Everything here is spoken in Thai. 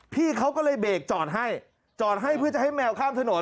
พี่เขาก็เลยเบรกจอดให้จอดให้เพื่อจะให้แมวข้ามถนน